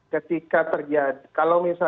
ketika terjadi penembakan kaitan jurnal